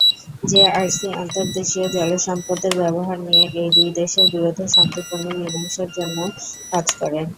JRC আন্তর্দেশীয় জলসম্পদের ব্যবহার নিয়ে এই দুই দেশের বিরোধের শান্তিপূর্ণ মীমাংসার জন্যেও কাজ করে।